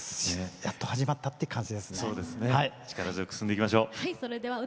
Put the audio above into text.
やっと始まったという感じですね。